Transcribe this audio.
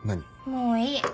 もういい。